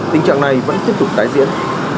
tình trạng này vẫn tiếp tục tái diễn